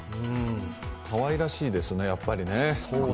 かわいらしいですね、やっぱりね